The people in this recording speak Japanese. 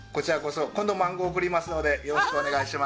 今度マンゴー送りますのでよろしくお願いします。